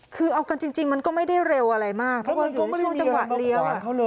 คือเอากันจริงมันก็ไม่ได้เร็วอะไรมากเพราะว่าช่วงจังหวะเลี้ยว